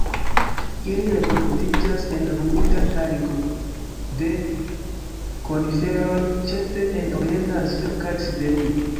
Ili reproduktiĝas en humida tajgo de koniferoj, ĉefe en orienta Azio kaj Siberio.